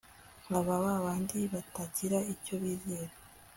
nka babandi batagira icyo bizera